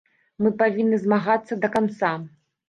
Мы павінны змагацца да канца.